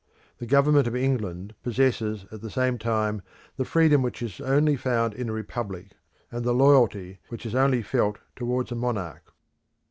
The government of England possesses at the same time the freedom which is only found in a republic, and the loyalty which is only felt towards a monarch.